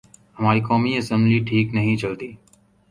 ہماری قومی اسمبلی ٹھیک نہیں چلتی۔